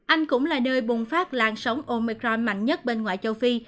anh cũng là nơi bùng phát lan sóng omicron mạnh nhất bên ngoài châu phi